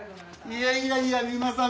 いやいやいや三馬さん